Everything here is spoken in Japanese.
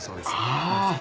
ああ。